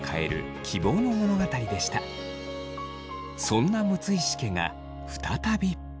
そんな六石家が再び。